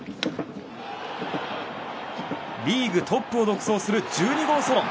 リーグトップを独走する１２号ソロ。